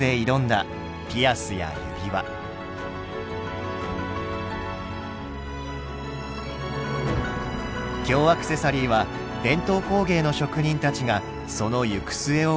京アクセサリーは伝統工芸の職人たちがその行く末を案じて生み出しました。